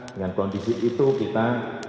dengan kondisi itu kita